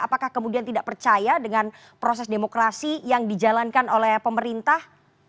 apakah kemudian tidak percaya dengan proses demokrasi yang dijalankan oleh pemerintah